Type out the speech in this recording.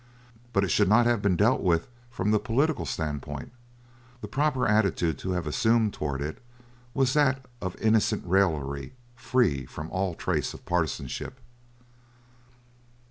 But it should not have been dealt with from the political standpoint. The proper attitude to have assumed towards it was that of innocent raillery, free from all trace of partisanship.